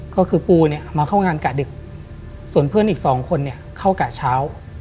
ก็คือปูมาเข้างานกะดึกส่วนเพื่อนอีก๒คนเข้ากะเช้า